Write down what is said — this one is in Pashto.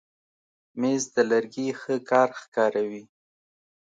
مېز د لرګي ښه کار ښکاروي.